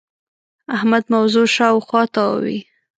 احمد موضوع شااوخوا تاووې.